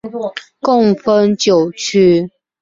共分九区。